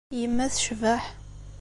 Yemma tecbeḥ.